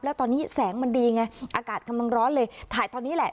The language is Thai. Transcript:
แล้วตอนนี้แสงมันดีไงอากาศกำลังร้อนเลยถ่ายตอนนี้แหละ